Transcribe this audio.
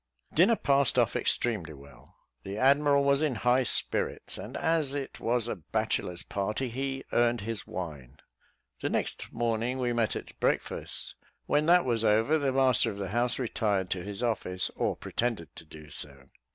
Dinner passed off extremely well. The admiral was in high spirits; and as it was a bachelor's party, he earned his wine. The next morning we met at breakfast. When that was over, the master of the house retired to his office, or pretended to do so.